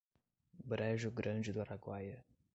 Brejo Grande do Araguaia